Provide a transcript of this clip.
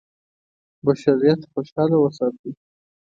بشریت خوشاله وساتي.